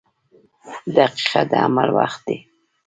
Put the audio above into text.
• دقیقه د عمل وخت دی.